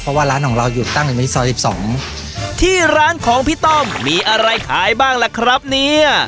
เพราะว่าร้านของเราอยู่ตั้งอยู่ในซอยสิบสองที่ร้านของพี่ต้อมมีอะไรขายบ้างล่ะครับเนี่ย